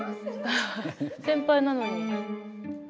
先輩なのに。